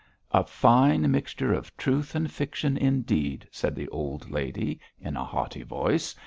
'A fine mixture of truth and fiction indeed,' said the old lady, in a haughty voice.